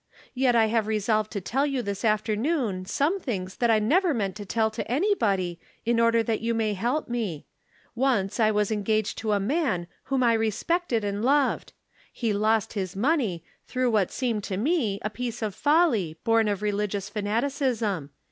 Yet I have resolved to tell you this afternoon some things that I never meant to tell to anybody, in order that you may help me. Once I was en gaged to a man whom I respected and loved. From Different Standpoints. 335 « He lost his money, through what seemed to me a piece of folly, born of religious fanaticism.